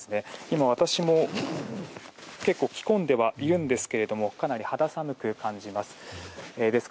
今、私も結構、着込んではいるんですがかなり肌寒く感じます。